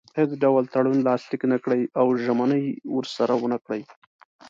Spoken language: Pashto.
هیڅ ډول تړون لاسلیک نه کړي او ژمنې ورسره ونه کړي.